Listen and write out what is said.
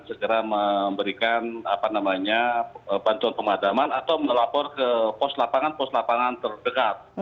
segera memberikan bantuan pemadaman atau melapor ke pos lapangan pos lapangan terdekat